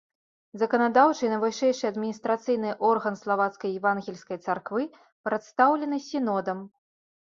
Заканадаўчы і найвышэйшы адміністрацыйны орган славацкай евангельскай царквы прадстаўлены сінодам.